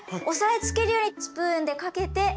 押さえつけるようにスプーンでかけて。